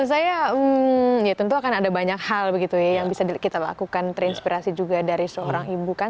saya ya tentu akan ada banyak hal begitu ya yang bisa kita lakukan terinspirasi juga dari seorang ibu kan